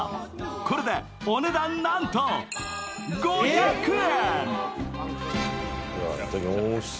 これでお値段なんと５００円！